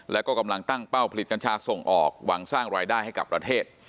แล้วก็กำลังตั้งเป้าผลิตกัญชาส่งออกหวังสร้างรายได้ให้กับประเทศ